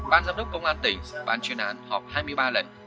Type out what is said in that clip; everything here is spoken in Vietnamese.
ban giám đốc công an tỉnh ban chuyên án họp hai mươi ba lần